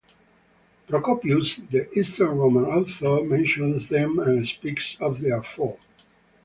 Procopius, the Eastern Roman author, mentions them and speaks of their fall.